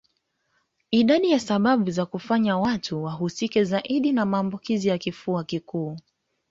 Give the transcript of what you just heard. Idadi ya sababu za kufanya watu wahusike zaidi na maambukizi ya kifua kikuu